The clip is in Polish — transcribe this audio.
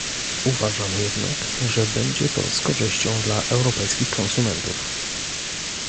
Uważam jednak, że będzie to z korzyścią dla europejskich konsumentów